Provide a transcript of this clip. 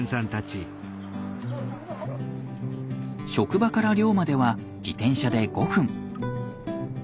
職場から寮までは自転車で５分。